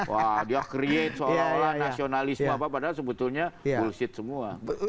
wah dia create seolah olah nasionalisme apa padahal sebetulnya ball sheet semua